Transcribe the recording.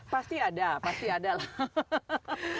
pasti ada pasti ada lah